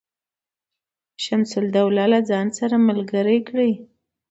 شمس الدوله له ځان سره ملګري کړي.